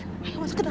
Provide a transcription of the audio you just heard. ayo masuk ke dalam